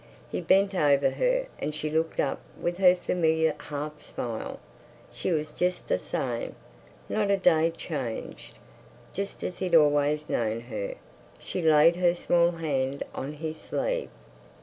He bent over her and she looked up with her familiar half smile. She was just the same. Not a day changed. Just as he'd always known her. She laid her small hand on his sleeve.